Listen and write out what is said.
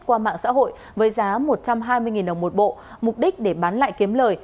qua mạng xã hội với giá một trăm hai mươi đồng một bộ mục đích để bán lại kiếm lời